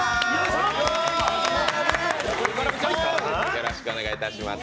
よろしくお願いします。